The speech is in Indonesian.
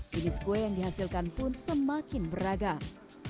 jenis kue yang dihasilkan pun semakin beragam